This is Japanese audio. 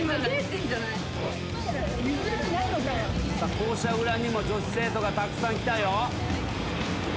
校舎裏にも女子生徒がたくさん来たよ。